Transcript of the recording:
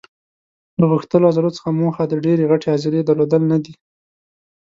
له غښتلو عضلو څخه موخه د ډېرې غټې عضلې درلودل نه دي.